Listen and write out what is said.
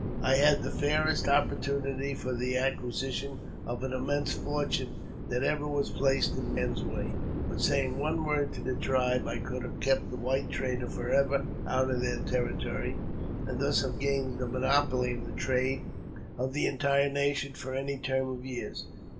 I had the fairest opportunity for the acquisition of an immense fortune that ever was placed in man's way. By saying one word to the tribe I could have kept the white trader for ever out of their territory, and thus have gained the monopoly of the trade of the entire nation for any term of years.